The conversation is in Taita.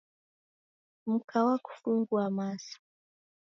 Mka wakufungua masa.